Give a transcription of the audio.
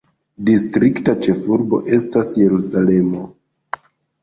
Distrikta ĉefurbo estas Jerusalemo.